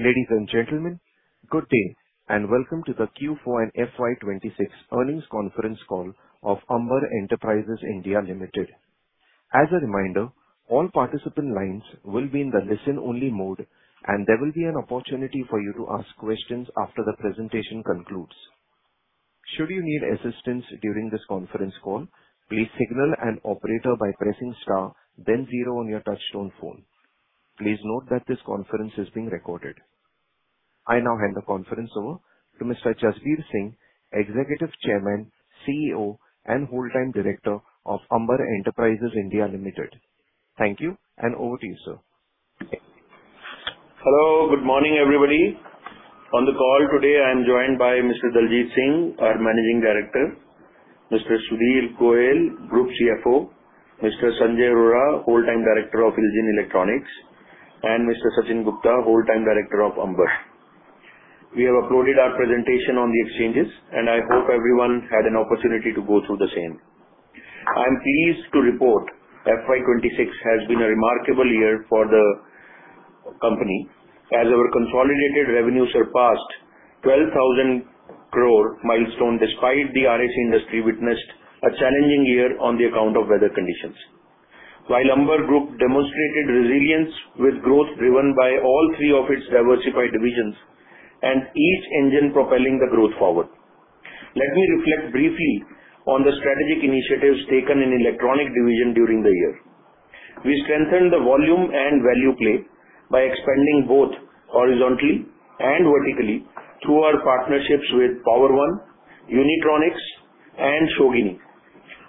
Ladies and gentlemen, good day, welcome to the Q4 and FY 2026 earnings conference call of Amber Enterprises India Limited. As a reminder, all participant lines will be in the listen only mode, and there will be an opportunity for you to ask questions after the presentation concludes. Should you need assistance during this conference call, please signal an operator by pressing star then zero on your touch-tone phone. Please note that this conference is being recorded. I now hand the conference over to Mr. Jasbir Singh, Executive Chairman, CEO, and Whole Time Director of Amber Enterprises India Limited. Thank you, and over to you, sir. Hello. Good morning, everybody. On the call today, I am joined by Mr. Daljit Singh, our Managing Director; Mr. Sudhir Goyal, Group CFO; Mr. Sanjay Arora, Whole Time Director of ILJIN Electronics; and Mr. Sachin Gupta, Whole Time Director of Amber. We have uploaded our presentation on the exchanges, and I hope everyone had an opportunity to go through the same. I'm pleased to report FY 2026 has been a remarkable year for the company as our consolidated revenue surpassed 12,000 crore milestone despite the RAC industry witnessed a challenging year on the account of weather conditions. While Amber Group demonstrated resilience with growth driven by all three of its diversified divisions and each engine propelling the growth forward. Let me reflect briefly on the strategic initiatives taken in Electronic Division during the year. We strengthened the volume and value play by expanding both horizontally and vertically through our partnerships with Power-One, Unitronics, and Shogini.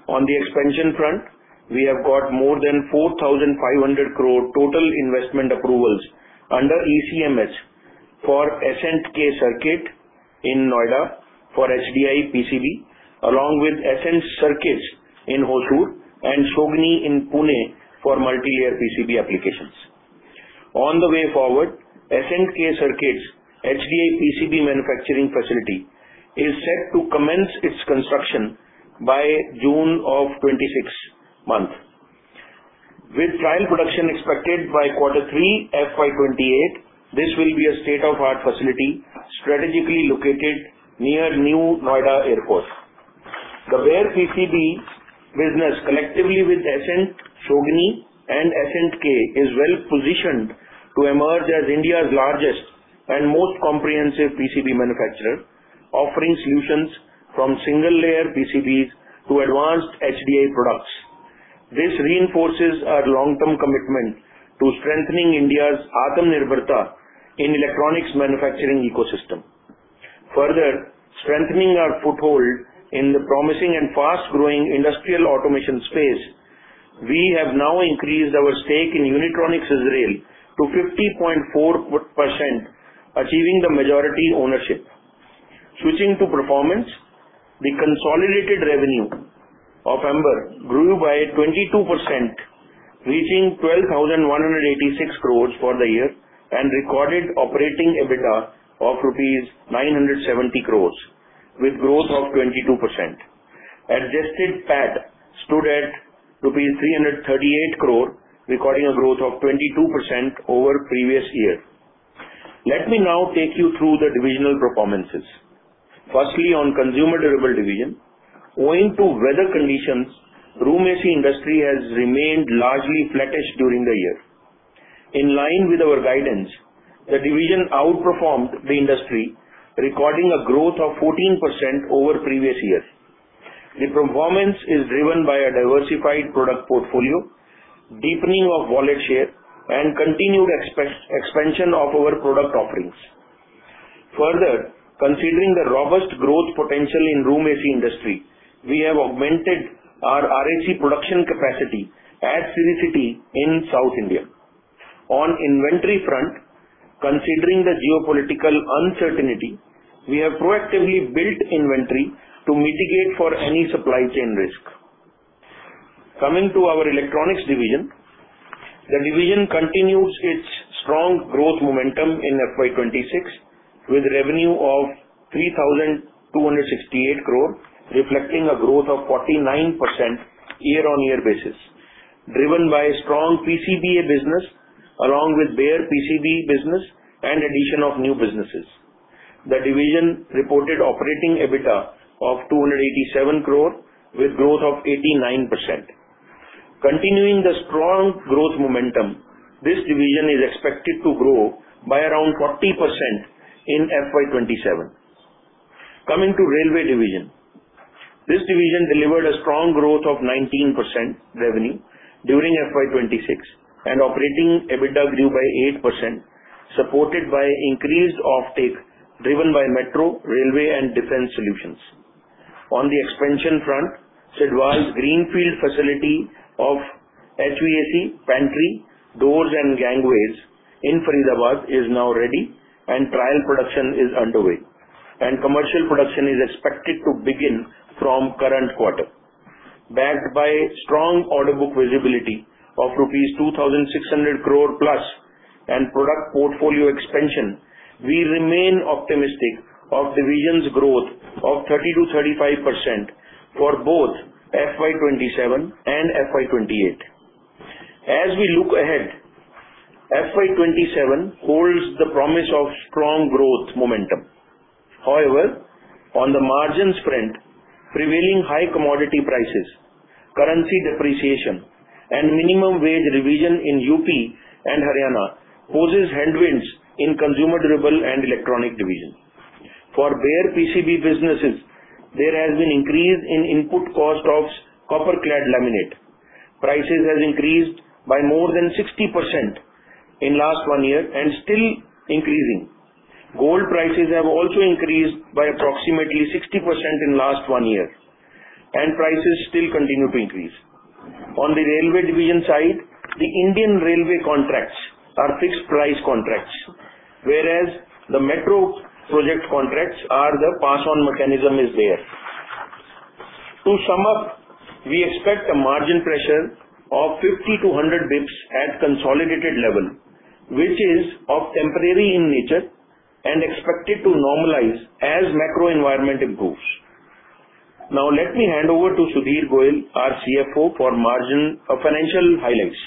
On the expansion front, we have got more than 4,500 crore total investment approvals under ECMS for Ascent-K Circuit in Noida for HDI PCB, along with Ascent Circuits in Hosur and Shogini in Pune for multi-layer PCB applications. On the way forward, Ascent-K Circuit's HDI PCB manufacturing facility is set to commence its construction by June of 26 month. With trial production expected by quarter three FY 2028, this will be a state-of-art facility strategically located near new Noida Airport. The bare PCB business, collectively with Ascent, Shogini, and Ascent-K, is well-positioned to emerge as India's largest and most comprehensive PCB manufacturer, offering solutions from single-layer PCBs to advanced HDI products. This reinforces our long-term commitment to strengthening India's Atmanirbharta in electronics manufacturing ecosystem. Further strengthening our foothold in the promising and fast-growing industrial automation space, we have now increased our stake in Unitronics Israel to 50.4%, achieving the majority ownership. Switching to performance, the consolidated revenue of Amber grew by 22%, reaching 12,186 crores for the year and recorded operating EBITDA of rupees 970 crores with growth of 22%. Adjusted PAT stood at rupees 338 crore, recording a growth of 22% over previous year. Let me now take you through the divisional performances. Firstly, on Consumer Durable division. Owing to weather conditions, Room AC industry has remained largely flattish during the year. In line with our guidance, the division outperformed the industry, recording a growth of 14% over previous year. The performance is driven by a diversified product portfolio, deepening of wallet share, and continued expansion of our product offerings. Further, considering the robust growth potential in Room AC industry, we have augmented our RAC production capacity at Sri City in South India. On inventory front, considering the geopolitical uncertainty, we have proactively built inventory to mitigate for any supply chain risk. Coming to our Electronics Division. The division continues its strong growth momentum in FY 2026, with revenue of 3,268 crore, reflecting a growth of 49% year-on-year basis, driven by strong PCBA business along with bare PCB business and addition of new businesses. The division reported operating EBITDA of 287 crore with growth of 89%. Continuing the strong growth momentum, this division is expected to grow by around 40% in FY 2027. Coming to Railway Division. This division delivered a strong growth of 19% revenue during FY 2026. Operating EBITDA grew by 8%, supported by increased offtake driven by metro, railway, and defense solutions. On the expansion front, Sidwal's greenfield facility of HVAC, pantry, doors, and gangways in Faridabad is now ready. Trial production is underway, and commercial production is expected to begin from current quarter. Backed by strong order book visibility of rupees 2,600+ crore and product portfolio expansion, we remain optimistic of division's growth of 30%-35% for both FY 2027 and FY 2028. As we look ahead, FY 2027 holds the promise of strong growth momentum. However, on the margins front, prevailing high commodity prices, currency depreciation, and minimum wage revision in U.P. and Haryana poses headwinds in consumer durable and electronic division. For bare PCB businesses, there has been increase in input cost of copper clad laminate. Prices has increased by more than 60% in last one year and still increasing. Gold prices have also increased by approximately 60% in last one year, and prices still continue to increase. On the railway division side, the Indian railway contracts are fixed price contracts, whereas the metro project contracts are the pass on mechanism is there. To sum up, we expect a margin pressure of 50-100 basis points at consolidated level, which is of temporary in nature and expected to normalize as macro environment improves. Now let me hand over to Sudhir Goyal, our CFO, for financial highlights.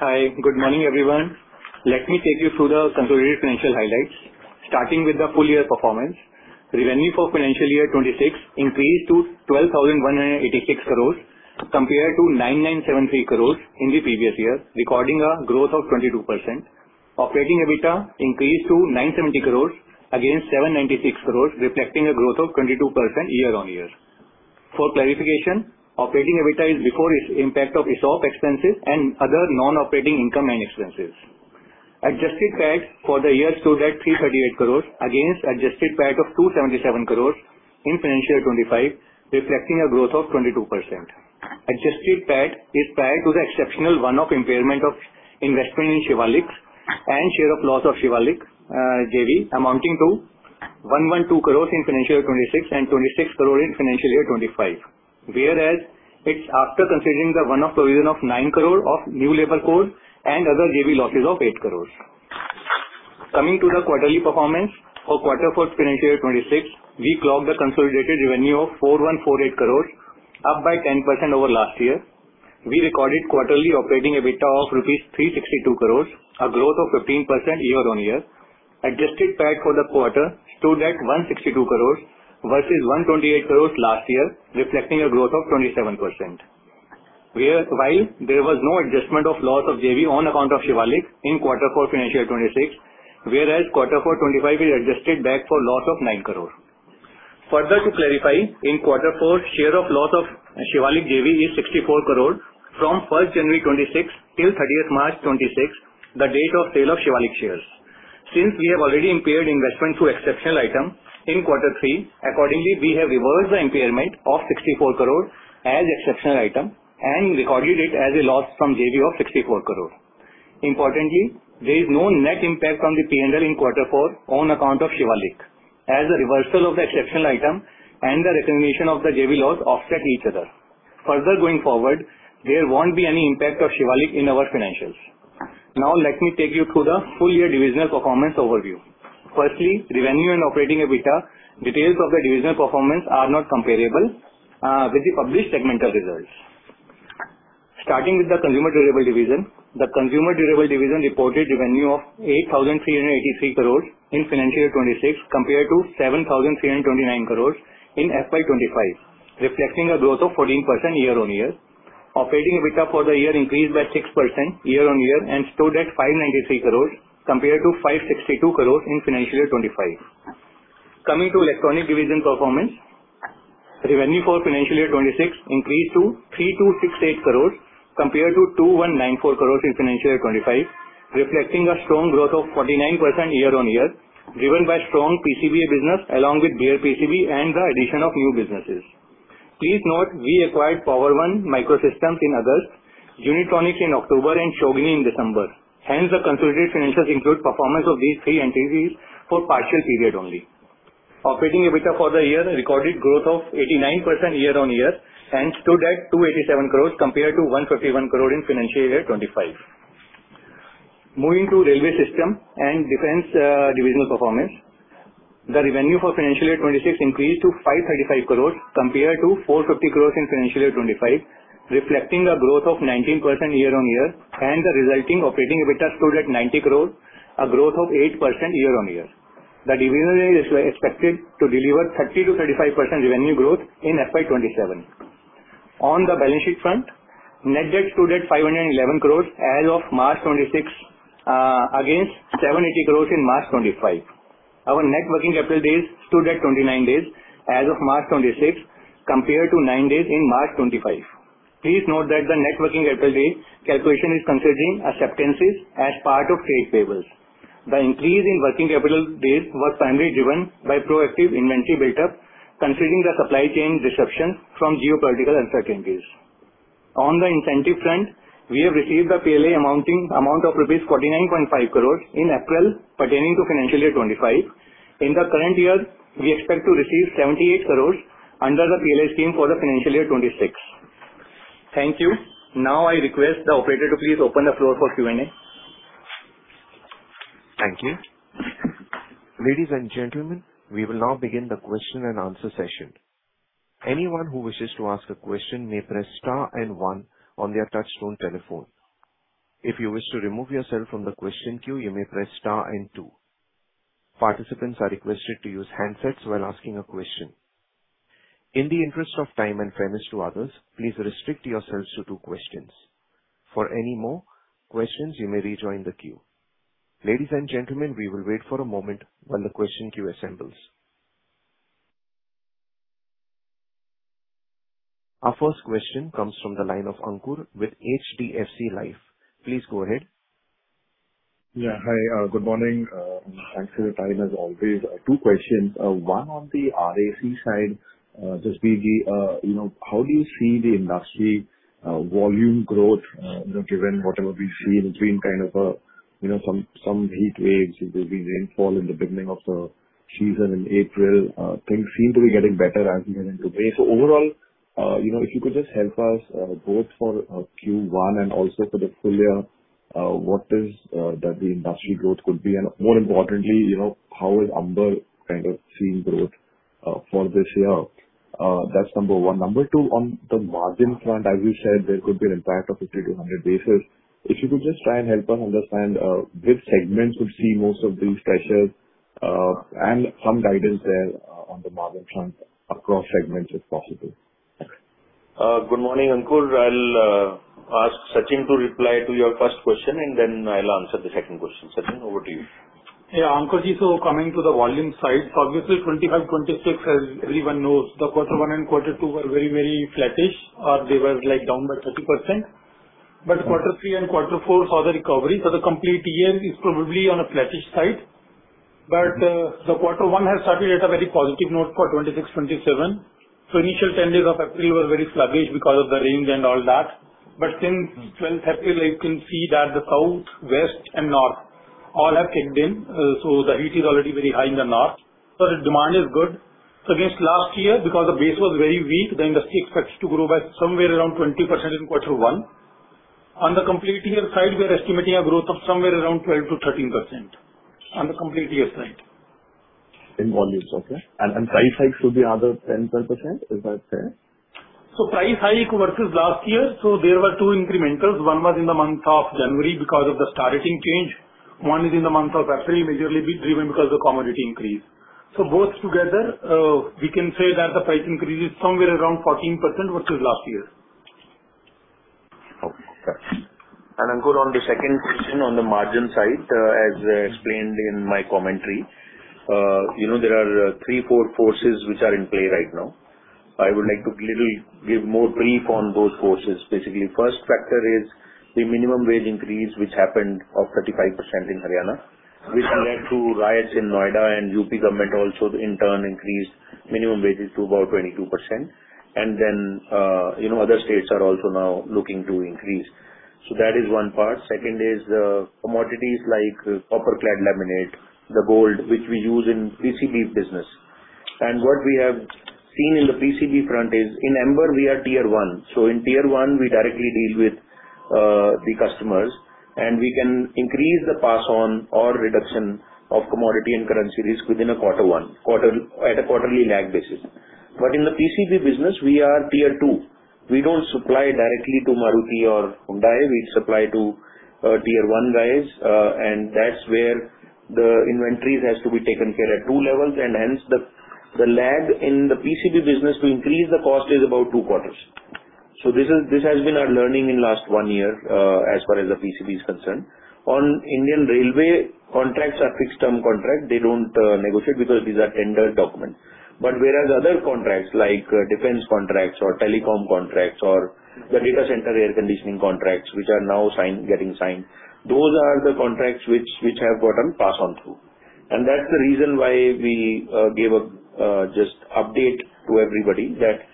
Hi, good morning, everyone. Let me take you through the consolidated financial highlights. Starting with the full year performance, revenue for financial year 2026 increased to 12,186 crores compared to 9,973 crores in the previous year, recording a growth of 22%. Operating EBITDA increased to 970 crores against 796 crores, reflecting a growth of 22% year-on-year. For clarification, operating EBITDA is before its impact of ESOP expenses and other non-operating income and expenses. Adjusted PAT for the year stood at 338 crores against adjusted PAT of 277 crores in financial year 2025, reflecting a growth of 22%. Adjusted PAT is prior to the exceptional one-off impairment of investment in Shivalik and share of loss of Shivalik JV amounting to 112 crores in financial year 2026 and 26 crore in financial year 2025. It is after considering the one-off provision of 9 crore of new labor code and other JV losses of 8 crores. Coming to the quarterly performance, for quarter four financial year 2026, we clocked a consolidated revenue of 4,148 crores, up by 10% over last year. We recorded quarterly operating EBITDA of rupees 362 crores, a growth of 15% year-on-year. Adjusted PAT for the quarter stood at 162 crores rupees versus 128 crores rupees last year, reflecting a growth of 27%. While there was no adjustment of loss of JV on account of Shivalik in quarter four financial year 2026, whereas quarter four 2025 is adjusted back for loss of 9 crore. To clarify, in quarter four, share of loss of Shivalik JV is 64 crore from 1st January 2026 till 30th March 2026, the date of sale of Shivalik shares. Since we have already impaired investment through exceptional item in quarter three, accordingly, we have reversed the impairment of 64 crore as exceptional item and recorded it as a loss from JV of 64 crore. Importantly, there is no net impact on the P&L in quarter four on account of Shivalik, as a reversal of the exceptional item and the recognition of the JV loss offset each other. Going forward, there won't be any impact of Shivalik in our financials. Now let me take you through the full year divisional performance overview. Firstly, revenue and operating EBITDA, details of the divisional performance are not comparable with the published segmental results. Starting with the consumer durable division, the consumer durable division reported revenue of INR 8,383 crores in financial year 2026 compared to INR 7,329 crores in FY 2025, reflecting a growth of 14% year-on-year. Operating EBITDA for the year increased by 6% year-on-year and stood at 593 crores compared to 562 crores in financial year 2025. Coming to electronic division performance, revenue for financial year 2026 increased to 3,268 crores compared to 2,194 crores in financial year 2025, reflecting a strong growth of 49% year-on-year, driven by strong PCBA business along with bare PCB and the addition of new businesses. Please note we acquired Power-One Micro Systems in August, Unitronics in October, and Shogini in December. Hence, the consolidated financials include performance of these three entities for partial period only. Operating EBITDA for the year recorded growth of 89% year-on-year and stood at 287 crores compared to 151 crore in financial year 2025. Moving to railway system and defense divisional performance. The revenue for financial year 2026 increased to 535 crore compared to 450 crore in financial year 2025, reflecting a growth of 19% year-on-year and the resulting operating EBITDA stood at 90 crore, a growth of 8% year-on-year. The division is expected to deliver 30%-35% revenue growth in FY 2027. On the balance sheet front, net debt stood at 511 crore as of March 26, against 780 crore in March 25. Our net working capital days stood at 29 days as of March 26 compared to nine days in March 25. Please note that the net working capital days calculation is considering acceptances as part of trade payables. The increase in working capital days was primarily driven by proactive inventory buildup, considering the supply chain disruptions from geopolitical uncertainties. On the incentive front, we have received the PLI amounting amount of INR 49.5 crores in April pertaining to financial year 2025. In the current year, we expect to receive INR 78 crores under the PLI scheme for the financial year 2026. Thank you. I request the operator to please open the floor for Q&A. Thank you. Our first question comes from the line of Ankur with HDFC Life. Please go ahead. Yeah. Hi. Good morning. Thanks for your time as always. two questions. One on the RAC side. Just basically, you know, how do you see the industry volume growth, you know, given whatever we've seen. It's been kind of a, you know, some heat waves. It will be rainfall in the beginning of the season in April. Things seem to be getting better as we head into May. Overall, you know, if you could just help us both for Q1 and also for the full year, what is that the industry growth could be? More importantly, you know, how is Amber kind of seeing growth for this year? That's number one. Number two, on the margin front, as you said, there could be an impact of 50-100 basis points. If you could just try and help us understand, which segments would see most of these pressures, and some guidance there, on the margin front across segments, if possible. Good morning, Ankur. I'll ask Sachin to reply to your first question, and then I'll answer the second question. Sachin, over to you. Yeah. Ankur, coming to the volume side, obviously 2025, 2026, as everyone knows, the quarter one and quarter two were very, very flattish. They were like down by 30%. Quarter three and quarter four saw the recovery, the complete year is probably on a flattish side. The quarter one has started at a very positive note for 2026, 2027. Initial 10 days of April were very sluggish because of the rains and all that. Since [April 18], you can see that the south, west and north all have kicked in. The heat is already very high in the north. The demand is good. Against last year, because the base was very weak, the industry expects to grow by somewhere around 20% in quarter one. On the complete year side, we are estimating a growth of somewhere around 12%-13% on the complete year side. In volumes. Okay. Price hike could be another 10%+. Is that fair? Price hike versus last year. There were two incrementals. One was in the month of January because of the star rating change. One is in the month of February, majorly driven because of commodity increase. Both together, we can say that the price increase is somewhere around 14% versus last year. Okay. Ankur, on the second question on the margin side, as explained in my commentary, you know, there are three, four forces which are in play right now. I would like to clearly give more brief on those forces. Basically, first factor is the minimum wage increase which happened of 35% in Haryana. Which led to riots in Noida, U.P. government also in turn increased minimum wages to about 22%. You know, other states are also now looking to increase. That is one part. Second is, commodities like copper clad laminate, the gold which we use in PCB business. What we have seen in the PCB front is in Amber we are tier one. In tier one we directly deal with the customers and we can increase the pass on or reduction of commodity and currency risk within a quarter one, at a quarterly lag basis. In the PCB business we are tier two. We don't supply directly to Maruti or Hyundai. We supply to tier one guys. That's where the inventories has to be taken care at two levels and hence the lag in the PCB business to increase the cost is about two quarters. This has been our learning in last one year as far as the PCB is concerned. On Indian railway contracts are fixed term contract. They don't negotiate because these are tender documents. Whereas other contracts like defense contracts or telecom contracts or the data center air conditioning contracts which are now signed, getting signed, those are the contracts which have gotten pass on through. That's the reason why we gave a just update to everybody that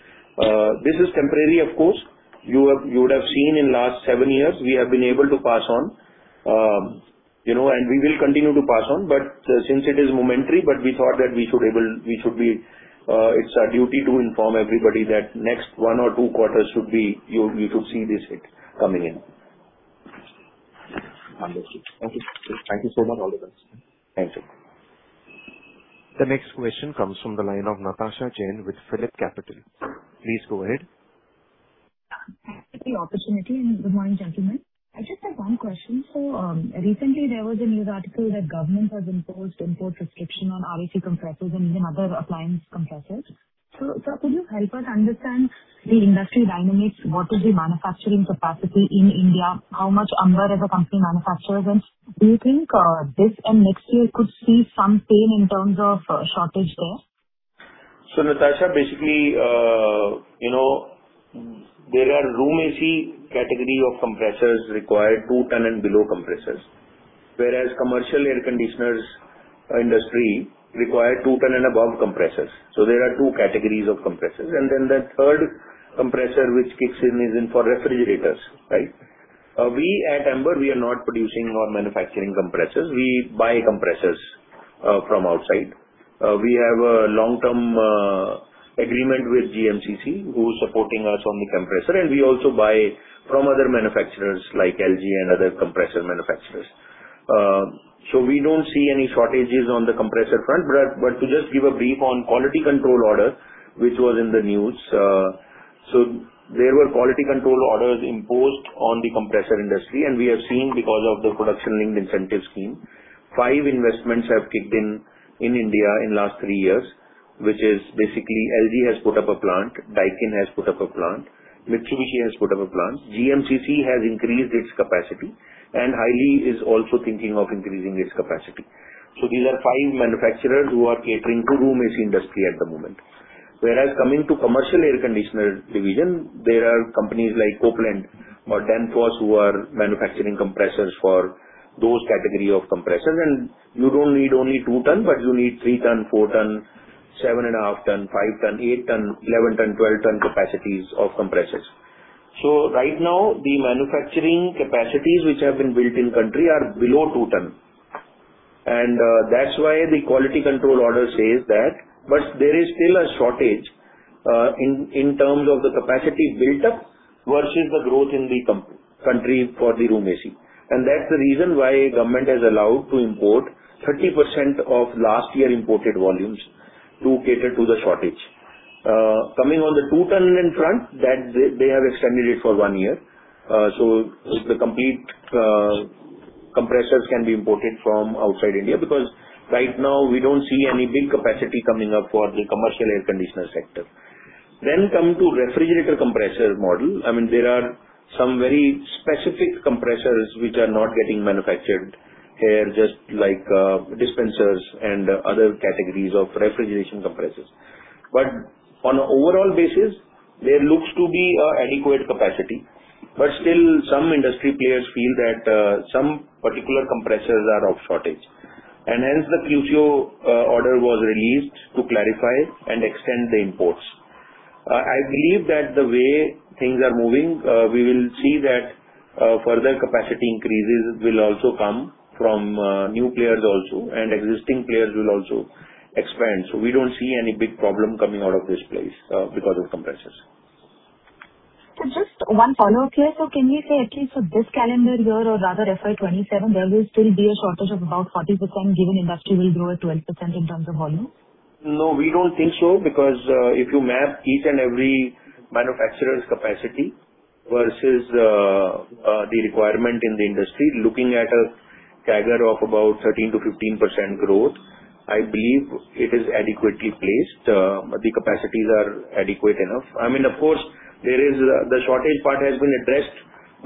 this is temporary of course. You would have seen in last seven years we have been able to pass on, you know, and we will continue to pass on. Since it is momentary, we thought that we should be it's our duty to inform everybody that next one or two quarters should be you could see this hit coming in. Understood. Thank you. Thank you so much for all the questions. Thank you. The next question comes from the line of Natasha Jain with PhillipCapital. Please go ahead. Thanks for the opportunity and good morning, gentlemen. I just have one question. Recently there was a news article that government has imposed import restriction on RAC compressors and even other appliance compressors. Sir could you help us understand the industry dynamics? What is the manufacturing capacity in India? How much Amber as a company manufactures? Do you think this and next year could see some pain in terms of shortage there? Natasha basically, you know, there are room AC category of compressors required 2 ton and below compressors, whereas commercial air conditioners industry require 2 ton and above compressors. There are 2 categories of compressors. Then the third compressor which kicks in is in for refrigerators, right? We at Amber, we are not producing or manufacturing compressors. We buy compressors from outside. We have a long-term agreement with GMCC who's supporting us on the compressor, and we also buy from other manufacturers like LG and other compressor manufacturers. We don't see any shortages on the compressor front. To just give a brief on quality control order, which was in the news. There were quality control orders imposed on the compressor industry. We are seeing because of the production-linked incentive scheme, five investments have kicked in in India in last three years, which is basically LG has put up a plant, Daikin has put up a plant, Mitsubishi has put up a plant. GMCC has increased its capacity. Haier is also thinking of increasing its capacity. These are five manufacturers who are catering to room AC industry at the moment. Coming to commercial air conditioner division, there are companies like Copeland or Danfoss who are manufacturing compressors for those category of compressors. You don't need only 2 ton, but you need 3 ton, 4 ton, 7.5 ton, 5 ton, 8 ton, 11 ton, 12 ton capacities of compressors. Right now, the manufacturing capacities which have been built in country are below 2 ton. That's why the quality control order says that. There is still a shortage in terms of the capacity built up versus the growth in the country for the room AC. That's the reason why government has allowed to import 30% of last year imported volumes to cater to the shortage. Coming on the 2 ton in front, that they have extended it for one year. The complete compressors can be imported from outside India, because right now we don't see any big capacity coming up for the commercial air conditioner sector. Coming to refrigerator compressor model, I mean, there are some very specific compressors which are not getting manufactured here, just like dispensers and other categories of refrigeration compressors. On a overall basis, there looks to be a adequate capacity. Still, some industry players feel that some particular compressors are of shortage. Hence the QCO order was released to clarify and extend the imports. I believe that the way things are moving, we will see that further capacity increases will also come from new players also, and existing players will also expand. We don't see any big problem coming out of this place because of compressors. Just one follow-up here. Can you say at least for this calendar year or rather FY 2027, there will still be a shortage of about 40%, given industry will grow at 12% in terms of volumes? We don't think so, because, if you map each and every manufacturer's capacity versus, the requirement in the industry, looking at a CAGR of about 13%-15% growth, I believe it is adequately placed. The capacities are adequate enough. I mean, of course, the shortage part has been addressed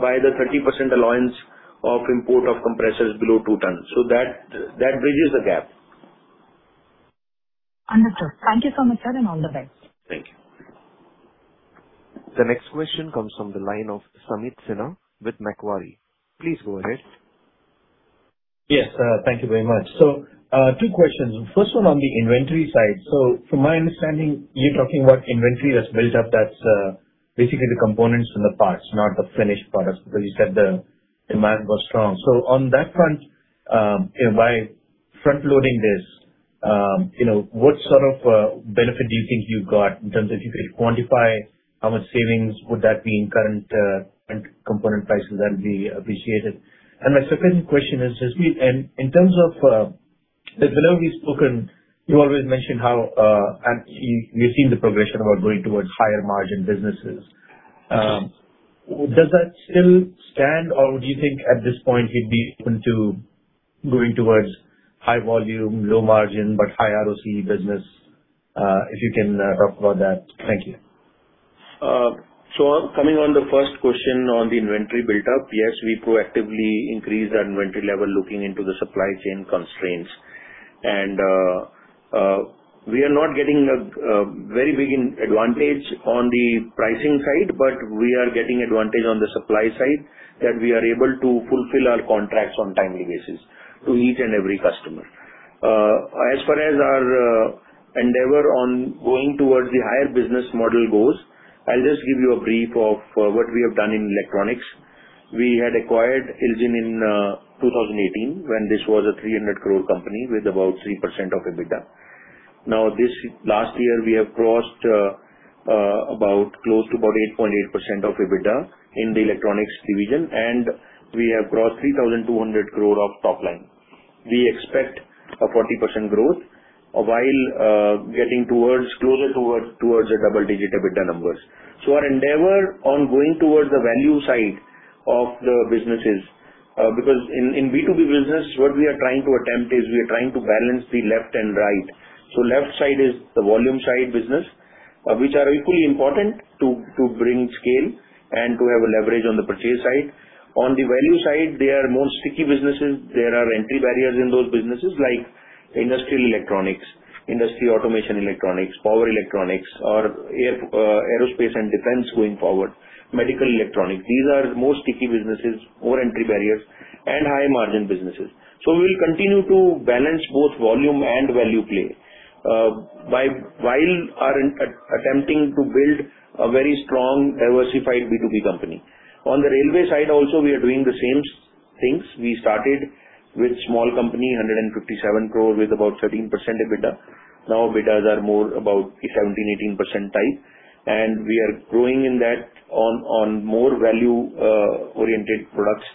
by the 30% allowance of import of compressors below 2 tons. That bridges the gap. Understood. Thank you so much, sir, and all the best. Thank you. The next question comes from the line of Sameet Sinha with Macquarie. Please go ahead. Yes, thank you very much. Two questions. First one on the inventory side. From my understanding, you're talking about inventory that's built up, that's basically the components and the parts, not the finished products, because you said the demand was strong. On that front, you know, by frontloading this, you know, what sort of benefit do you think you got in terms of if you could quantify how much savings would that be in current component prices? That would be appreciated. My second question is, in terms of, whenever we've spoken, you always mention how actually we've seen the progression about going towards higher margin businesses. Does that still stand or do you think at this point you'd be open to going towards high volume, low margin but high ROC business? If you can talk about that. Thank you. Coming on the first question on the inventory buildup, yes, we proactively increase the inventory level looking into the supply chain constraints. We are not getting a very big advantage on the pricing side, but we are getting advantage on the supply side that we are able to fulfill our contracts on timely basis to each and every customer. As far as our endeavor on going towards the higher business model goes, I'll just give you a brief of what we have done in electronics. We had acquired ILJIN in 2018 when this was a 300 crore company with about 3% of EBITDA. This last year we have crossed about close to about 8.8% of EBITDA in the electronics division, and we have crossed 3,200 crore of top line. We expect a 40% growth while getting closer towards the double-digit EBITDA numbers. Our endeavor on going towards the value side of the businesses, because in B2B business, what we are trying to attempt is we are trying to balance the left and right. Left side is the volume side business, which are equally important to bring scale and to have a leverage on the purchase side. On the value side, they are more sticky businesses. There are entry barriers in those businesses like industrial electronics, industry automation electronics, power electronics or aerospace and defense going forward, medical electronics. These are more sticky businesses, more entry barriers and high margin businesses. We will continue to balance both volume and value play while are attempting to build a very strong diversified B2B company. On the railway side also we are doing the same things. We started with small company, 157 crore with about 13% EBITDA. Now EBITDAs are more about 17%-18% type. We are growing in that on more value oriented products.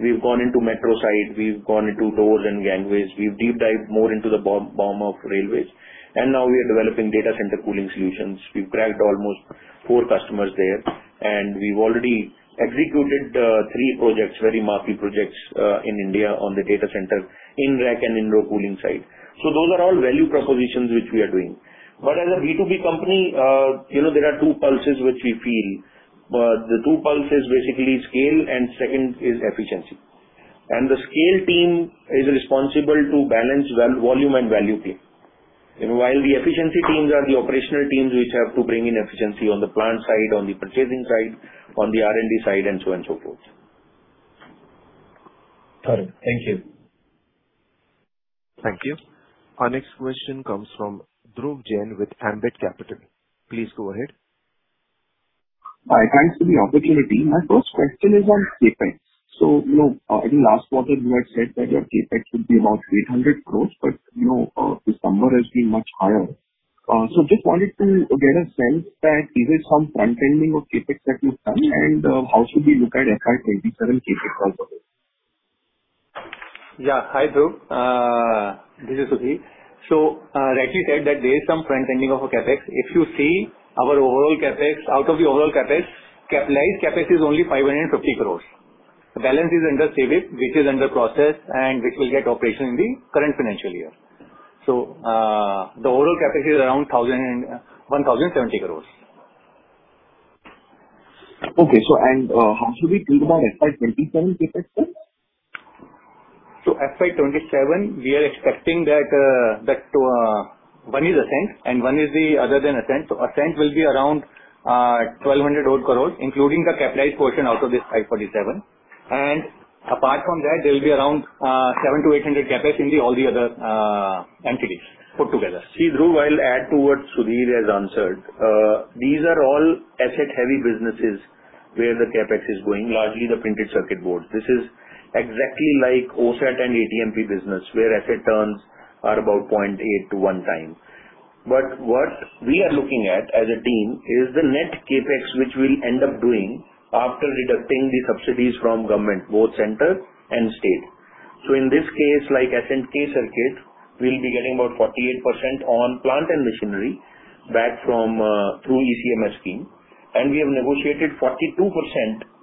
We've gone into metro side, we've gone into doors and gangways. We've deep dived more into the BOM of railways. Now we are developing data center cooling solutions. We've cracked almost four customers there, and we've already executed three projects, very marquee projects in India on the data center, in rack and in-row cooling side. Those are all value propositions which we are doing. As a B2B company, you know, there are two pulses which we feel. The two pulse is basically scale and second is efficiency. The scale team is responsible to balance volume and value team. While the efficiency teams are the operational teams which have to bring in efficiency on the plant side, on the purchasing side, on the R&D side, and so on so forth. Got it. Thank you. Thank you. Our next question comes from Dhruv Jain with Ambit Capital. Please go ahead. Hi. Thanks for the opportunity. My first question is on CapEx. You know, in last quarter you had said that your CapEx would be about 800 crores, but, you know, this number has been much higher. Just wanted to get a sense that is it some front-ending of CapEx that you've done and, how should we look at FY 2027 CapEx? Yeah. Hi, Dhruv. This is Sudhir. Rightly said that there is some front-ending of a CapEx. If you see our overall CapEx, out of the overall CapEx, capitalized CapEx is only 550 crores. The balance is under CWIP, which is under process and which will get operational in the current financial year. The overall CapEx is around 1,070 crores. Okay. How should we think about FY 2027 CapEx, sir? FY 2027, we are expecting that to, one is Ascent and one is the other than Ascent. Ascent will be around 1,200 odd crores, including the capitalized portion out of this 547 crore. Apart from that, there will be around 700 crore-800 crore CapEx in the all the other entities put together. See, Dhruv, I'll add to what Sudhir has answered. These are all asset heavy businesses where the CapEx is going, largely the printed circuit board. This is exactly like OSAT and ATMP business, where asset turns are about 0.8x to 1x time. What we are looking at as a team is the net CapEx, which we'll end up doing after deducting the subsidies from government, both center and state. In this case, like Ascent-K Circuits, we'll be getting about 48% on plant and machinery back from through ECMS scheme. We have negotiated 42%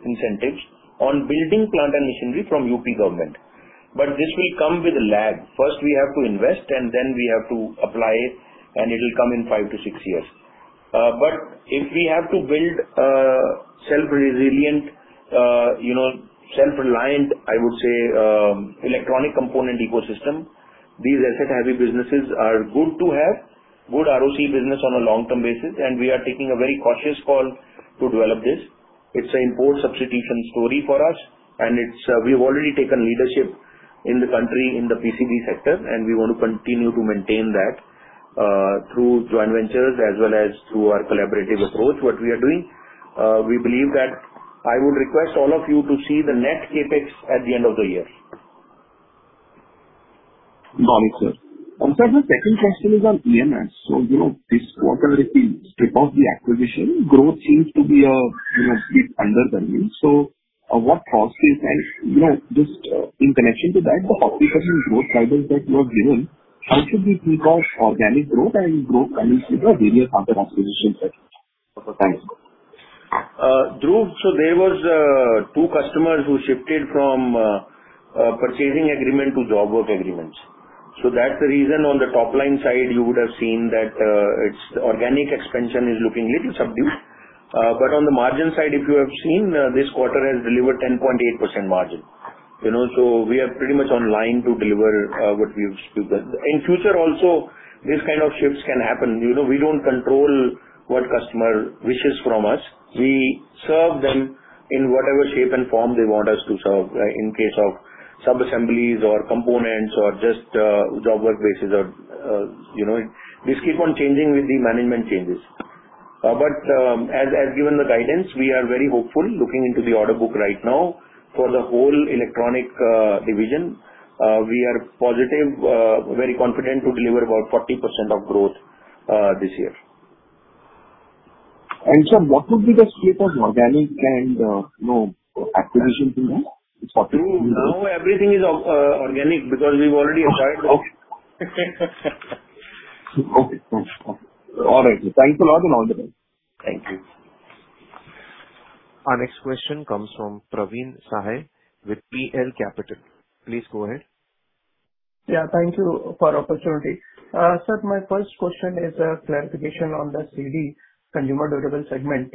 incentives on building plant and machinery from U.P. government. This will come with a lag. First we have to invest and then we have to apply it, and it'll come in five to six years. If we have to build a self-resilient, you know, self-reliant, I would say, electronic component ecosystem, these asset-heavy businesses are good to have, good ROC business on a long-term basis, and we are taking a very cautious call to develop this. It's an import substitution story for us, and it's, we've already taken leadership in the country in the PCB sector, and we want to continue to maintain that, through joint ventures as well as through our collaborative approach, what we are doing. We believe that I would request all of you to see the net CapEx at the end of the year. Got it, sir. Sir, my second question is on EMS. You know, this quarter, if we strip off the acquisition, growth seems to be, you know, bit under the means. What causes and, you know, just in connection to that, the operating growth guidance that you have given, how should we think of organic growth and growth coming through the various under acquisitions? Okay, thanks. Dhruv, there was 2 customers who shifted from purchasing agreement to job work agreements. That's the reason on the top line side you would have seen that its organic expansion is looking little subdued. On the margin side, if you have seen, this quarter has delivered 10.8% margin. You know, we are pretty much on line to deliver what we've spoken. In future also, these kind of shifts can happen. You know, we don't control what customer wishes from us. We serve them in whatever shape and form they want us to serve, in case of sub-assemblies or components or just job work basis or, you know. This keep on changing with the management changes. As given the guidance, we are very hopeful looking into the order book right now. For the whole electronic division, we are positive, very confident to deliver about 40% of growth this year. Sir, what would be the split of organic and, you know, acquisition business? Dhruv, now everything is organic because we've already acquired them. Okay. Okay. All right. Thanks a lot and all the best. Thank you. Our next question comes from Praveen Sahay with PL Capital. Please go ahead. Yeah, thank you for opportunity. Sir, my first question is a clarification on the CD, consumer durable segment.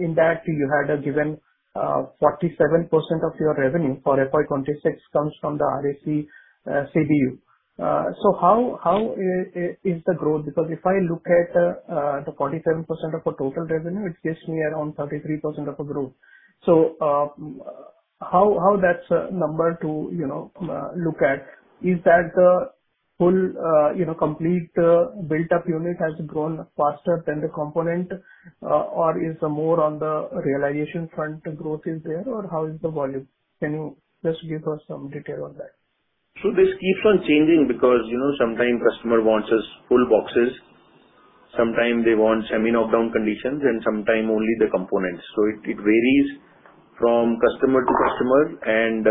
In that you had given 47% of your revenue for FY 2026 comes from the RAC, CBU. How is the growth? If I look at the 47% of the total revenue, it gives me around 33% of the growth. How that's a number to, you know, look at. Is that the full, you know, complete built up unit has grown faster than the component? Is more on the realization front growth is there, or how is the volume? Can you just give us some detail on that? This keeps on changing because, you know, sometimes customer wants us full boxes, sometimes they want semi-knocked down conditions, and sometimes only the components. It varies from customer to customer and,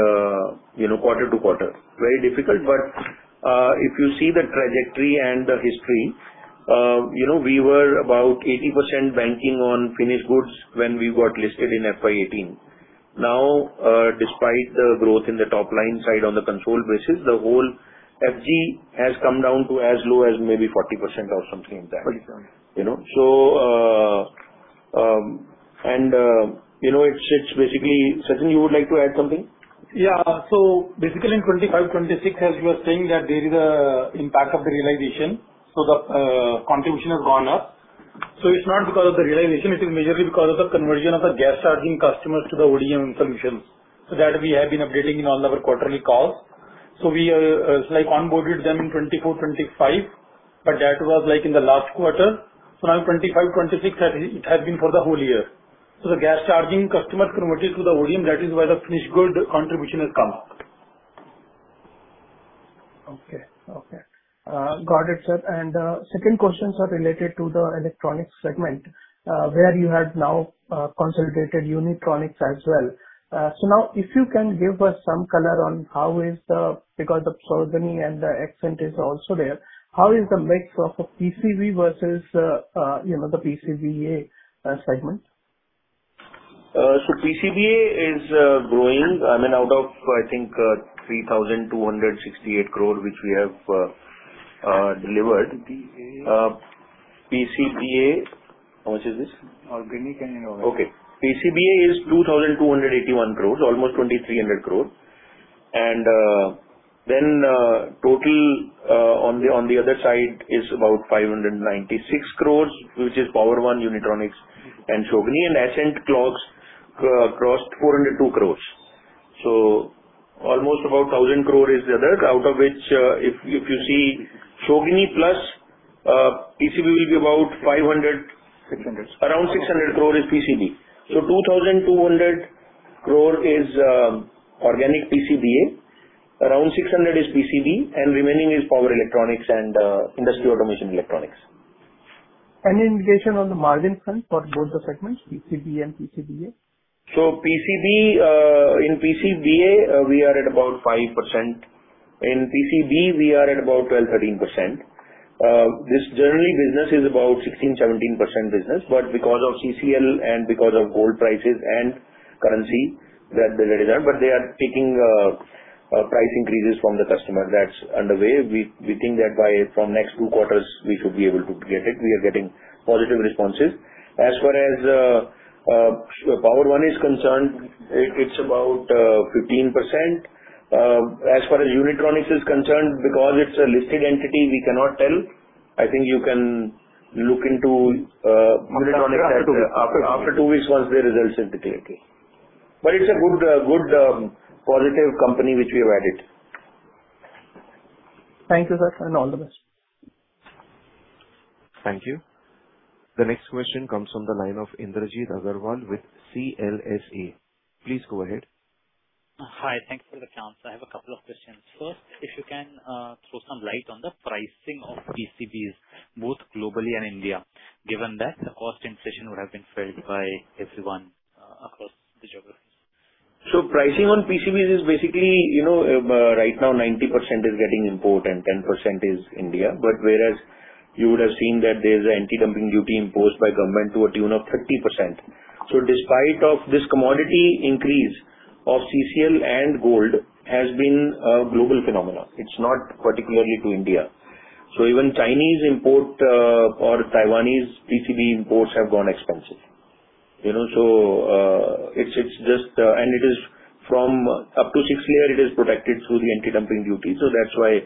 you know, quarter to quarter. Very difficult. If you see the trajectory and the history, you know, we were about 80% banking on finished goods when we got listed in FY 2018. Now, despite the growth in the top-line side on the consolidated basis, the whole FG has come down to as low as maybe 40% or something like that. 40%. You know, you know, it's basically Sachin, you would like to add something? Yeah. Basically in 2025, 2026, as you were saying that there is a impact of the realization, the contribution has gone up. It's not because of the realization, it is majorly because of the conversion of the gas charging customers to the ODM solutions. That we have been updating in all of our quarterly calls. We, like onboarded them in 2024, 2025, but that was like in the last quarter. Now in 2025, 2026 it has been for the whole year. The gas charging customers converted to the ODM, that is why the finished good contribution has come up. Okay. Okay. Got it, sir. Second questions are related to the electronics segment, where you have now consolidated Unitronics as well. Now if you can give us some color on how is the Because the Shogini and the Ascent is also there. How is the mix of a PCB versus, you know, the PCBA segment? PCBA is growing. I mean, out of, I think, 3,268 crore, which we have delivered. PCA. PCBA. How much is this? Organic inorganic. Okay. PCBA is 2,281 crore, almost 2,300 crore. Total on the other side is about 596 crore, which is PowerOne, Unitronics and Shogini. Ascent Circuits crossed 402 crore. Almost about 1,000 crore is the other. Out of which, if you see Shogini plus PCB will be about 500 crore. 600. Around 600 crore is PCB. 2,200 crore is organic PCBA. Around 600 crore is PCB, and remaining is power electronics and industry automation electronics. Any indication on the margin front for both the segments, PCB and PCBA? PCB, in PCBA, we are at about 5%. In PCB we are at about 12%-13%. This generally business is about 16%-17% business, but because of CCL and because of gold prices and currency that they result, but they are taking price increases from the customer. That's on the way. We think that by from next 2 quarters we should be able to get it. We are getting positive responses. As far as PowerOne is concerned, it's about 15%. As far as Unitronics is concerned, because it's a listed entity, we cannot tell. I think you can look into Unitronics after 2 weeks once the results are declared. It's a good, positive company which we have added. Thank you, sir, and all the best. Thank you. The next question comes from the line of Indrajit Agarwal with CLSA. Please go ahead. Hi. Thank you for the comments. I have a couple of questions. First, if you can throw some light on the pricing of PCBs, both globally and India, given that the cost inflation would have been felt by everyone across the geographies. Pricing on PCBs is basically, you know, right now 90% is getting import and 10% is India. Whereas you would have seen that there's an anti-dumping duty imposed by government to a tune of 30%. Despite of this commodity increase of CCL and gold has been a global phenomenon, it's not particularly to India. Even Chinese import or Taiwanese PCB imports have gone expensive. You know, it's just. It is from up to 6 year it is protected through the anti-dumping duty. That's why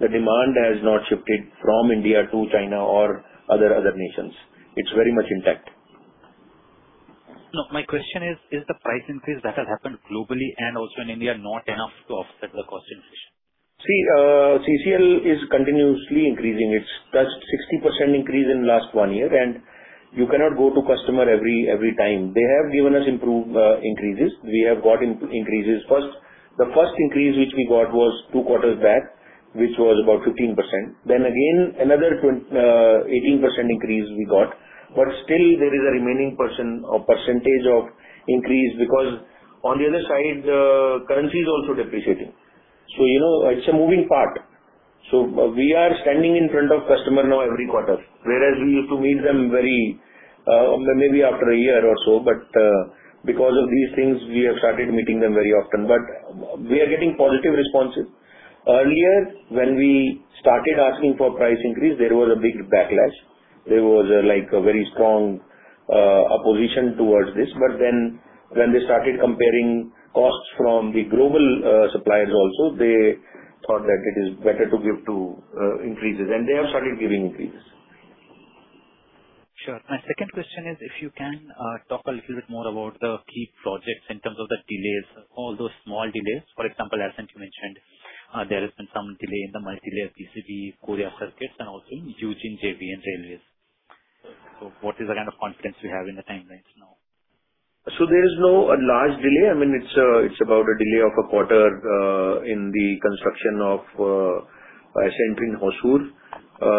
the demand has not shifted from India to China or other nations. It's very much intact. My question is the price increase that has happened globally and also in India not enough to offset the cost inflation? CCL is continuously increasing. It has touched 60% increase in last 1 year, you cannot go to customer every time. They have given us improve increases. We have got increases. First, the first increase which we got was 2 quarters back, which was about 15%. Again another 18% increase we got. Still there is a remaining person or percentage of increase because on the other side the currency is also depreciating. You know, it's a moving part. We are standing in front of customer now every quarter. Whereas we used to meet them very, maybe after a year or so. Because of these things, we have started meeting them very often. We are getting positive responses. Earlier, when we started asking for price increase, there was a big backlash. There was, like, a very strong opposition towards this. When they started comparing costs from the global suppliers also, they thought that it is better to give to increases, and they have started giving increases. Sure. My second question is if you can, talk a little bit more about the key projects in terms of the delays, all those small delays. For example, as you mentioned, there has been some delay in the multilayer PCB Ascent-K Circuits and also ILJIN JV and railways. What is the kind of confidence you have in the timelines now? There is no large delay. I mean, it's about a delay of a quarter in the construction of Ascent in Hosur.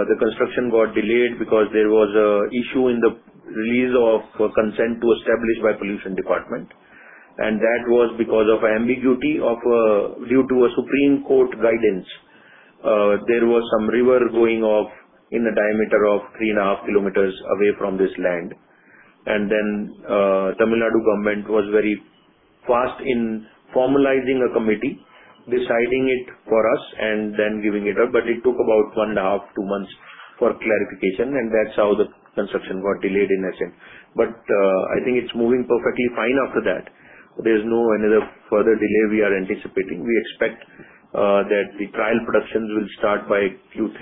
The construction got delayed because there was a issue in the release of consent to establish by Pollution Department, and that was because of ambiguity due to a Supreme Court guidance. There was some river going off in a diameter of 3.5 kilometers away from this land. Tamil Nadu Government was very fast in formalizing a committee, deciding it for us and then giving it up. It took about 1.5, 2 months for clarification, and that's how the construction got delayed in Ascent. I think it's moving perfectly fine after that. There's no another further delay we are anticipating. We expect that the trial productions will start by Q3.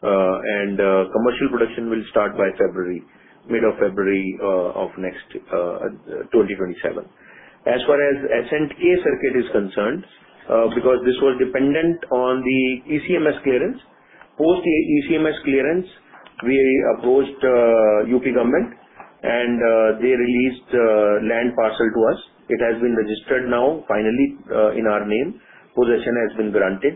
Commercial production will start by February, mid of February, of next 2027. As far as Ascent K-Circuit is concerned, because this was dependent on the ECMS clearance. Post ECMS clearance, we approached U.P. government and they released land parcel to us. It has been registered now finally in our name. Possession has been granted,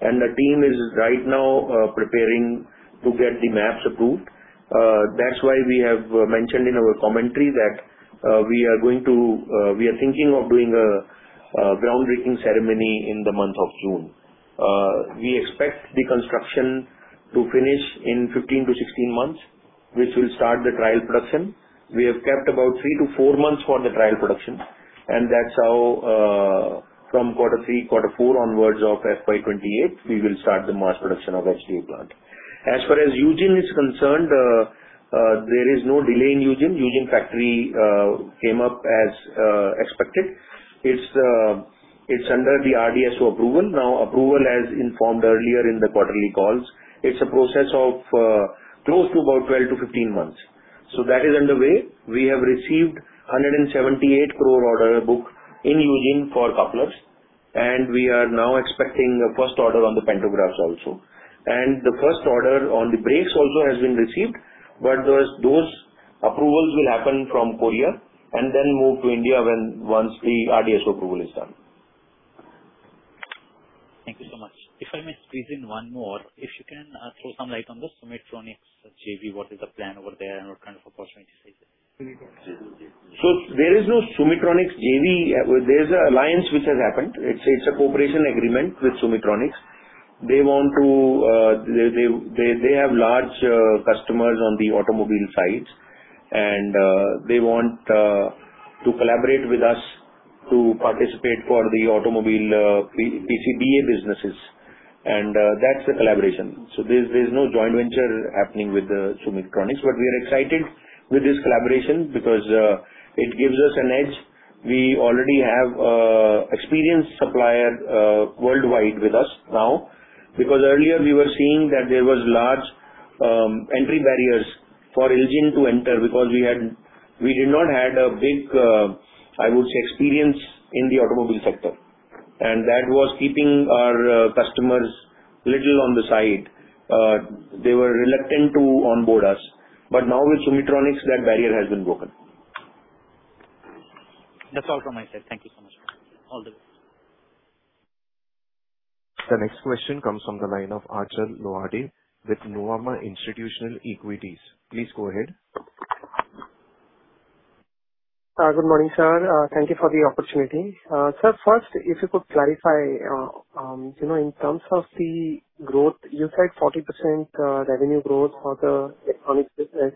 and the team is right now preparing to get the maps approved. That's why we have mentioned in our commentary that we are thinking of doing a groundbreaking ceremony in the month of June. We expect the construction to finish in 15-16 months, which will start the trial production. We have kept about three to four months for the trial production. From quarter three, quarter four onwards of FY 2028 we will start the mass production of HDI plant. As far as ILJIN is concerned, there is no delay in ILJIN. ILJIN factory came up as expected. It's under the RDSO approval. Approval, as informed earlier in the quarterly calls, it's a process of close to about 12-15 months. That is underway. We have received 178 crore order book in ILJIN for couplers, and we are now expecting the first order on the pantographs also. The first order on the brakes also has been received. Those approvals will happen from Korea and then move to India when once the RDSO approval is done. Thank you so much. If I may squeeze in one more. If you can throw some light on the Sumitronics JV, what is the plan over there and what kind of opportunities is it? There is no Sumitronics JV. There's an alliance which has happened. It's a cooperation agreement with Sumitronics. They have large customers on the automobile sides and they want to collaborate with us to participate for the automobile PCBA businesses, and that's the collaboration. There's no joint venture happening with Sumitronics. We are excited with this collaboration because it gives us an edge. We already have experienced supplier worldwide with us now. Earlier we were seeing that there was large entry barriers for ILJIN to enter because we did not had a big, I would say, experience in the automobile sector. That was keeping our customers little on the side. They were reluctant to onboard us. Now with Sumitronics, that barrier has been broken. That's all from my side. Thank you so much. All the best. The next question comes from the line of Achal Lohade with Nuvama Institutional Equities. Please go ahead. Good morning, sir. Thank you for the opportunity. Sir, first if you could clarify, you know, in terms of the growth, you said 40% revenue growth for the electronics business.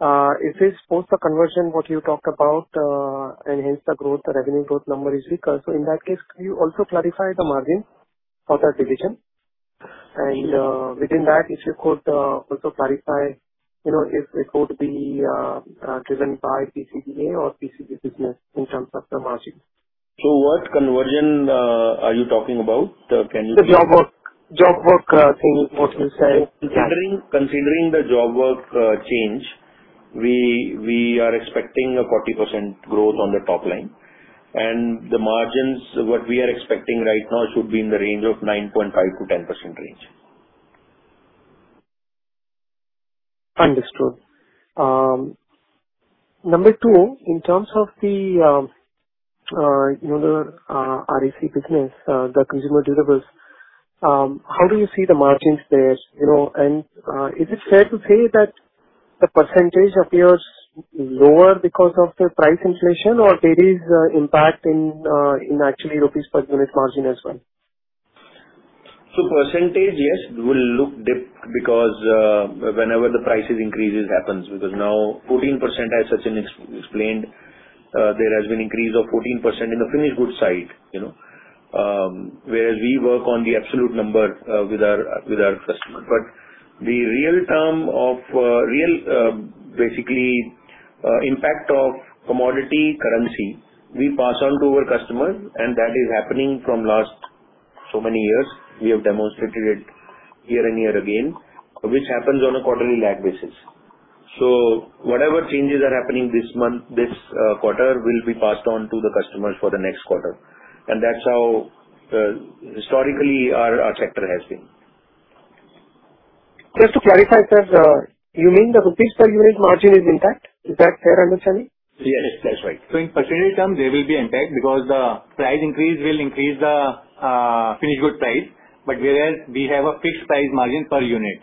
If it's post the conversion, what you talked about, and hence the growth, the revenue growth number is weaker. In that case, can you also clarify the margin for that division? Within that, if you could also clarify, you know, if it could be driven by PCBA or PCB business in terms of the margins. What conversion are you talking about? The job work, thing what you said. Considering the job work change, we are expecting a 40% growth on the top line. The margins, what we are expecting right now should be in the range of 9.5%-10%. Understood. number two, in terms of the, you know, the RAC business, the consumer durables, how do you see the margins there, you know? Is it fair to say that the percentage appears lower because of the price inflation or there is impact in actually rupees per unit margin as well? Percentage, yes, will look dipped because whenever the prices increases happens because now 14%, as Sachin explained, there has been increase of 14% in the finished goods side, you know. Whereas we work on the absolute number with our customer. The real term of real basically impact of commodity currency we pass on to our customers, and that is happening from last so many years we have demonstrated it year and year again, which happens on a quarterly lag basis. Whatever changes are happening this month, this quarter will be passed on to the customers for the next quarter. That's how historically our sector has been. Just to clarify, sir, you mean the rupees per unit margin is intact? Is that fair understanding? Yes, that's right. In percentage terms there will be impact because the price increase will increase the finished goods price. Whereas we have a fixed price margin per unit.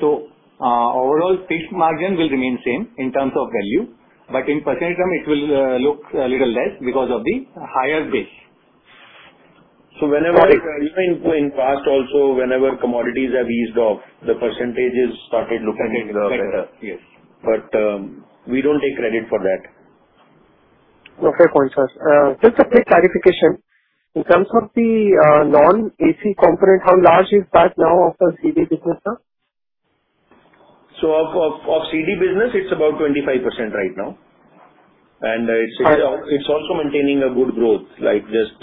Overall fixed margin will remain same in terms of value, but in percentage term it will look a little less because of the higher base. Whenever it. You know in past also, whenever commodities have eased off, the percentages started looking better. Yes. We don't take credit for that. No fair point, sir. Just a quick clarification. In terms of the non-AC component, how large is that now of the CD business, sir? Of CD business it's about 25% right now. Right. -it's also maintaining a good growth. Like just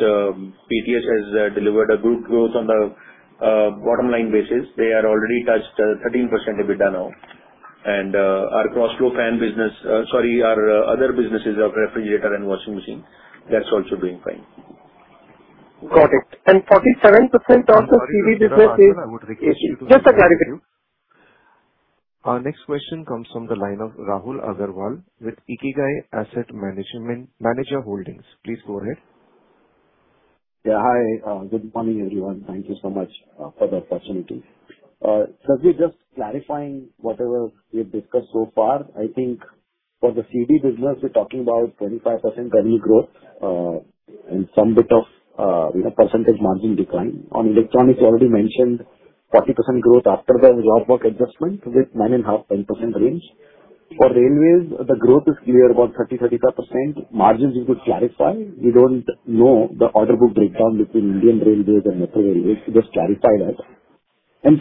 [PICL] has delivered a good growth on the bottom line basis. They are already touched 13% EBITDA now. Our other businesses of refrigerator and washing machine, that's also doing fine. Got it. 47% of the CD business is- Sir, sorry to interrupt. I would request you to conclude. Just a clarification. Our next question comes from the line of Rahul Agarwal with Ikigai Asset Manager Holdings. Please go ahead. Hi. Good morning, everyone. Thank you so much for the opportunity. We're just clarifying whatever we have discussed so far. I think for the CD business, we're talking about 25% revenue growth, and some bit of, you know, percentage margin decline. On electronics, you already mentioned 40% growth after the job work adjustment with 9.5%-10% range. For railways, the growth is clear, about 30%-35%. Margins you could clarify. We don't know the order book breakdown between Indian Railways and Metro Railways. Just clarify that.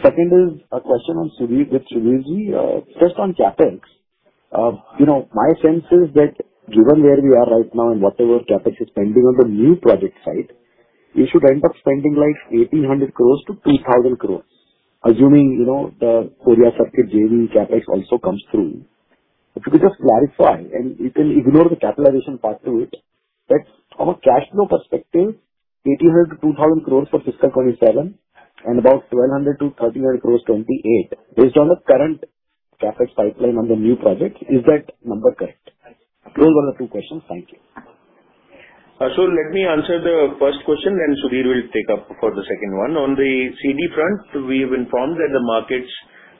Second is a question on Sudhir, with Sudhirji, just on CapEx. You know, my sense is that given where we are right now and whatever CapEx is pending on the new project side, you should end up spending like 1,800 crores-3,000 crores, assuming, you know, the Korea Circuit JV CapEx also comes through. If you could just clarify, and you can ignore the capitalization part to it, that from a cash flow perspective, 1,800 crores-2,000 crores for fiscal 2027 and about 1,200 crores-1,300 crores, 2028, based on the current CapEx pipeline on the new project. Is that number correct? Those are the two questions. Thank you. Let me answer the first question, and Sudhir will take up for the second one. On the CD front, we've informed that the markets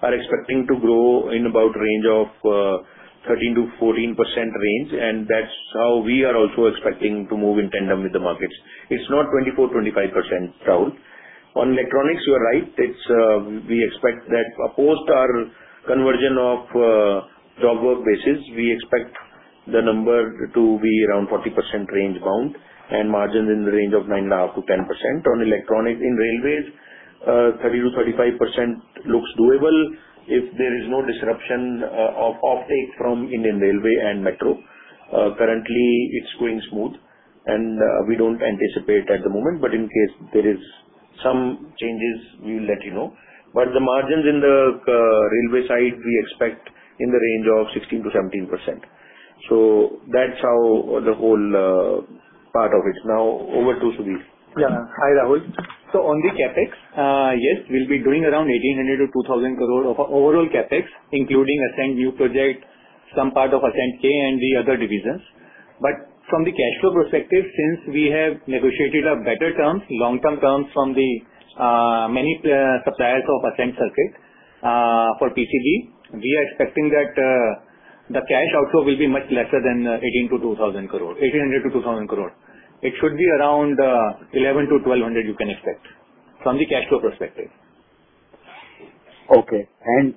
are expecting to grow in about range of 13%-14% range, and that's how we are also expecting to move in tandem with the markets. It's not 24%, 25% growth. On electronics, you are right. It's, we expect that post our conversion of job work basis, we expect the number to be around 40% range bound and margin in the range of 9.5%-10%. On electronic in railways, 30%-35% looks doable if there is no disruption offtake from Indian Railway and Metro. Currently it's going smooth and we don't anticipate at the moment. In case there is some changes, we will let you know. The margins in the railway side we expect in the range of 16%-17%. That's how the whole part of it. Now over to Sudhir. Hi, Rahul. On the CapEx, yes, we'll be doing around 1,800 crore-2,000 crore of overall CapEx, including Ascent new project, some part of Ascent-K and the other divisions. From the cash flow perspective, since we have negotiated better terms, long-term terms from the many suppliers of Ascent Circuit, for PCB, we are expecting that the cash outflow will be much lesser than 1,800 crore-2,000 crore. It should be around 1,100-1,200 you can expect from the cash flow perspective. Okay.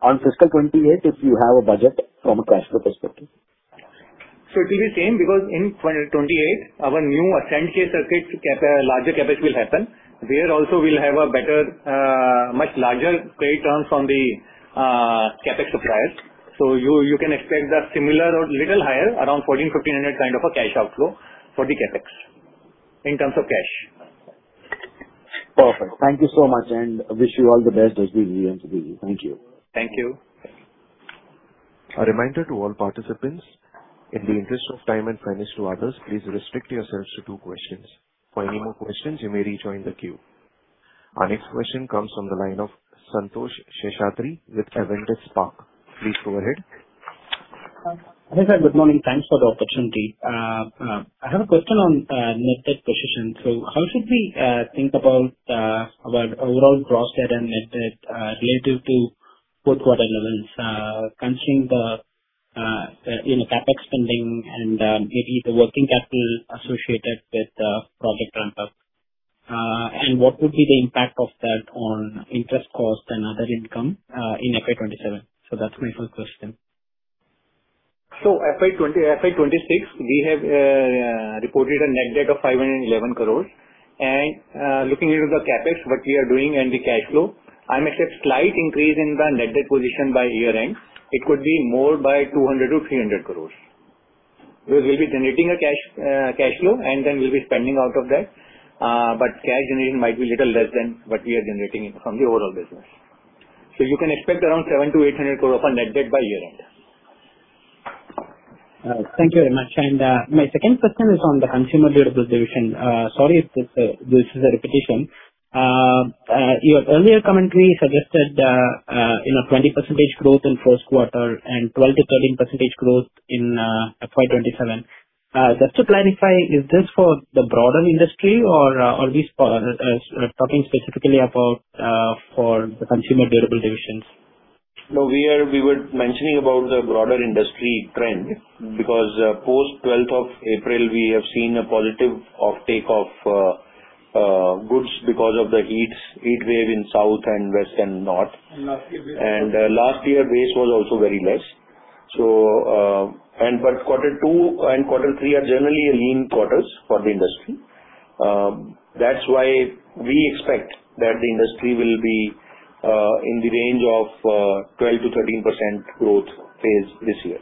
On fiscal 2028, if you have a budget from a cash flow perspective? It will be same because in 2028 our new Ascent-K Circuit larger CapEx will happen. There also we'll have a better, much larger pay terms from the CapEx suppliers. You can expect that similar or little higher, around 1,400 crore-1,500 crore kind of a cash outflow for the CapEx in terms of cash. Perfect. Thank you so much, and wish you all the best, Jasbirji and Sudhirji. Thank you. Thank you. A reminder to all participants, in the interest of time and fairness to others, please restrict yourselves to two questions. For any more questions you may rejoin the queue. Our next question comes from the line of Santhosh Seshadri with Avendus Spark. Please go ahead. Hi, sir. Good morning. Thanks for the opportunity. I have a question on net debt position. How should we think about overall gross debt and net debt relative to forward relevance, considering the, you know, CapEx spending and maybe the working capital associated with the project ramp-up. What would be the impact of that on interest cost and other income in FY 2027? That's my first question. FY 2026, we have reported a net debt of 511 crore. Looking into the CapEx, what we are doing and the cash flow, I may say slight increase in the net debt position by year-end. It could be more by 200 crore-300 crore. We will be generating a cash cash flow, and then we'll be spending out of that. Cash generation might be little less than what we are generating from the overall business. You can expect around 700 crore-800 crore on net debt by year-end. Thank you very much. My second question is on the consumer durables division. Sorry if this is a repetition. Your earlier commentary suggested, you know, 20% growth in first quarter and 12%-13% growth in FY 2027. Just to clarify, is this for the broader industry or are this for talking specifically about for the consumer durable divisions? No, we were mentioning about the broader industry trend because, post 12th of April, we have seen a positive offtake of goods because of the heat wave in South and West and North. Last year base. Last year base was also very less. Quarter two and quarter three are generally lean quarters for the industry. That's why we expect that the industry will be in the range of 12%-13% growth phase this year.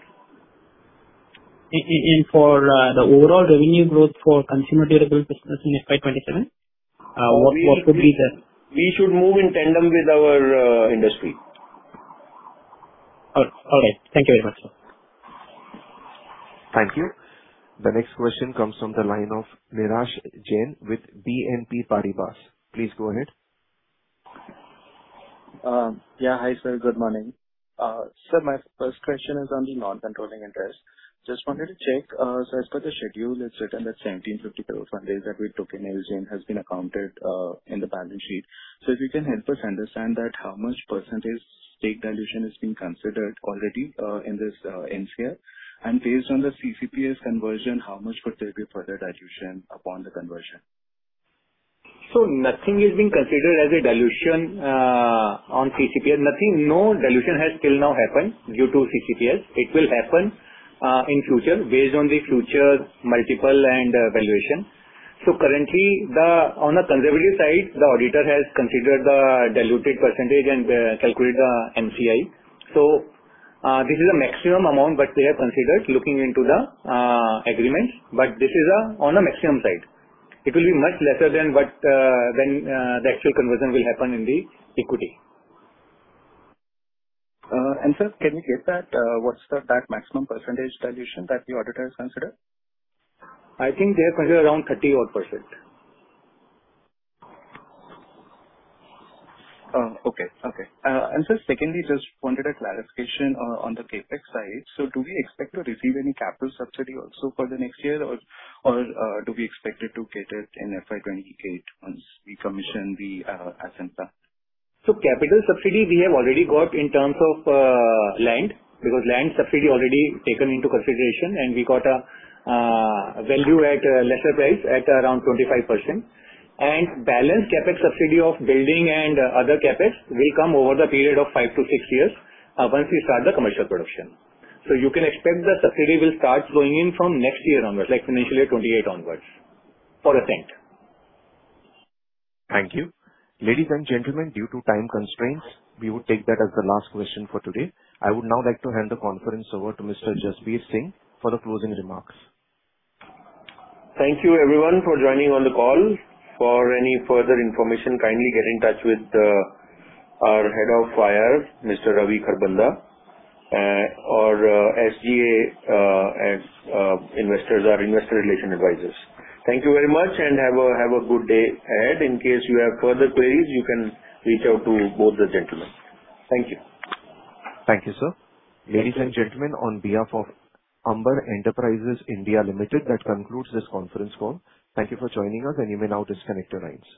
For the overall revenue growth for consumer durable business in FY 2027, what would be the. We should move in tandem with our industry. All right. All right. Thank you very much, sir. Thank you. The next question comes from the line of Neeraj Jain with BNP Paribas. Please go ahead. Yeah. Hi, sir. Good morning. Sir, my first question is on the non-controlling interest. Just wanted to check, as per the schedule, it's written that 1,750 crores fund raise that we took in ILJIN has been accounted in the balance sheet. If you can help us understand that how much percentage stake dilution is being considered already in this in CF. Based on the CCPS conversion, how much could there be further dilution upon the conversion? Nothing is being considered as a dilution on CCPS. Nothing, no dilution has till now happened due to CCPS. It will happen in future based on the future multiple and valuation. Currently the, on a conservative side, the auditor has considered the diluted percentage and calculate the NCI. This is a maximum amount that they have considered looking into the agreements. This is on a maximum side. It will be much lesser than what than the actual conversion will happen in the equity. Sir, can we get that, what's that maximum percentage dilution that the auditor has considered? I think they have considered around 30 odd percent. Sir, secondly, just wanted a clarification on the CapEx side. Do we expect to receive any capital subsidy also for the next year or do we expect it to get it in FY 2028 once we commission the Ascent? Capital subsidy we have already got in terms of land, because land subsidy already taken into consideration and we got a value at a lesser price at around 25%. Balance CapEx subsidy of building and other CapEx will come over the period of five to six years, once we start the commercial production. You can expect the subsidy will start flowing in from next year onwards, like financially at 2028 onwards, for Ascent. Thank you. Ladies and gentlemen, due to time constraints, we would take that as the last question for today. I would now like to hand the conference over to Mr. Jasbir Singh for the closing remarks. Thank you everyone for joining on the call. For any further information, kindly get in touch with our Head of IR, Mr. Ravi Kharbanda, or SGA as investors or investor relation advisors. Thank you very much and have a good day ahead. In case you have further queries, you can reach out to both the gentlemen. Thank you. Thank you, sir. Ladies and gentlemen, on behalf of Amber Enterprises India Limited, that concludes this conference call. Thank you for joining us and you may now disconnect your lines.